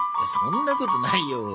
そんなことないよ。